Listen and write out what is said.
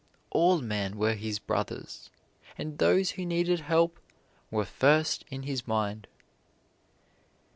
All men were his brothers, and those who needed help were first in his mind.